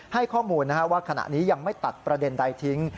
ให้ข้อมูลว่าขณะนี้ยังไม่ตัดประเด็นใดทิ้ง